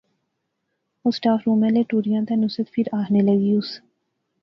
او سٹاف رومے لے ٹریاں تے نصرت فیر آخنے لاغیوس